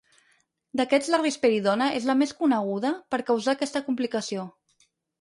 D'aquests, la risperidona és la més coneguda per causar aquesta complicació.